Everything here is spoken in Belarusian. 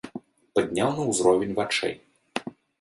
Падняў на ўзровень вачэй.